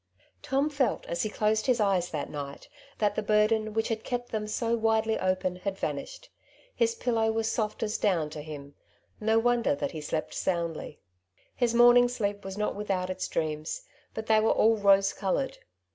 Tom felt as he closed his eyes that night that the burden which had kept them so widely open had 158 " Two Sides to every Question^ vanished. His pillow was soft as down to him ; no wonder that he slept soundly. His morning sleep was not without its dreams, but they were all rose coloured.